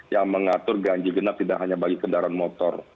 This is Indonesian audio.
yang mengatur ganjil genap tidak hanya bagi kendaraan motor